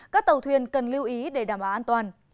các tàu thuyền cần lưu ý để đảm bảo an toàn